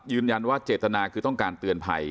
ยืนยันว่าเจตนาคือต้องการเตือนภัย